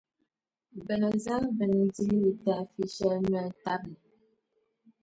bɛ ni zaŋ bini dihi litaafi shɛli noli tabili.